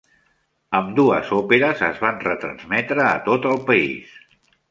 Ambdues òperes es van retransmetre a tot el país.